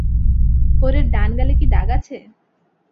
ফোরের ডান গালে কি দাগ আছে?